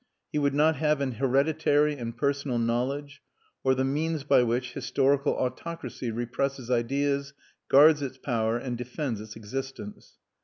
He would not have an hereditary and personal knowledge or the means by which historical autocracy represses ideas, guards its power, and defends its existence.